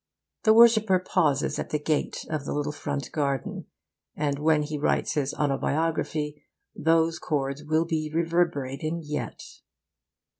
The worshipper pauses at the gate of the little front garden, and when he writes his autobiography those chords will be reverberating yet.